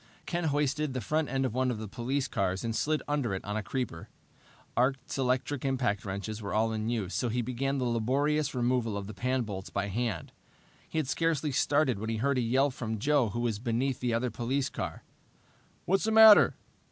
Ken hoisted the front end of one of the police cars and slid under it on a creeper. Art's electric impact wrenches were all in use, so he began the laborious removal of the pan bolts by hand. He had scarcely started when he heard a yell from Joe who was beneath the other police car. "What's the matter?"